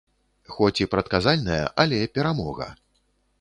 Хоць і прадказальная, але перамога.